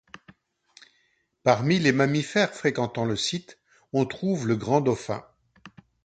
Parmi les mammifères fréquentant le site, on trouve le Grand dauphin.